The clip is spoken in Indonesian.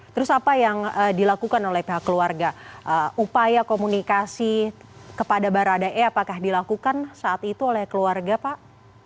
terus apa yang dilakukan oleh pihak keluarga upaya komunikasi kepada baradae apakah dilakukan saat itu oleh keluarga pak